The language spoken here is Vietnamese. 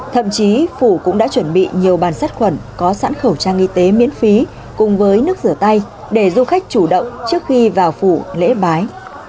thậm chí phủ cũng đã chuẩn bị nhiều bàn sắt khuẩn có sẵn khẩu trang y tế miễn phí cùng với nước rửa tay để du khách chủ động trước khi vào phủ lễ bái